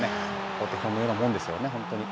お手本のようなものですよね。